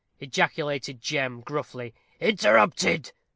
ejaculated Jem, gruffly, "interrupted!"